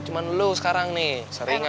cuma lo sekarang nih seringan